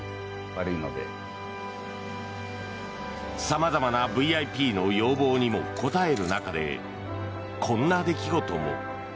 様々なＶＩＰの要望にも応える中でこんな出来事も。